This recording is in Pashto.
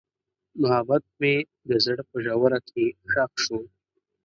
محبت مې د زړه په ژوره کې ښخ شو.